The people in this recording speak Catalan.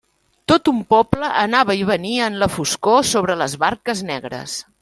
Tot un poble anava i venia en la foscor sobre les barques negres.